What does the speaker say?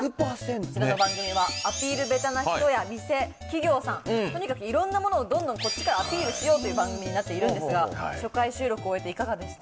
この番組は、アピール下手な人や店、企業さん、とにかくいろんなものをどんどんこっちからアピールしようという番組になってるんですが、初回収録を終えていかがでした？